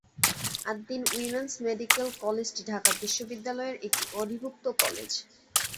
আদ্-দ্বীন women's medical কলেজটি ঢাকা বিশ্ববিদ্যালয়ের একটি অধিভুক্ত কলেজ।